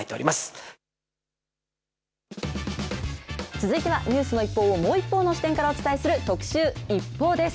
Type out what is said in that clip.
続いては、ニュースの一報をもう一方の視点からお伝えする特集、ＩＰＰＯＵです。